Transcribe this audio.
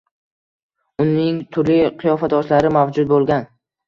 uning turli qiyofadoshlari mavjud bo‘lgan.